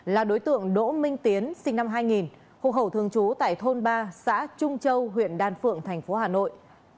là đối tượng đỗ minh tiến sinh năm hai nghìn hộ khẩu thường trú tại thôn ba xã trung châu huyện đan phượng thành phố hà nội